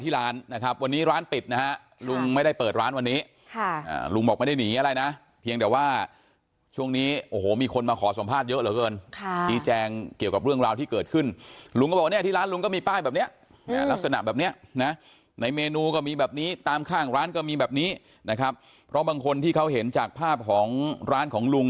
แต่ว่านะคะบางคนที่เขาเห็นจากพราบของร้านของลุง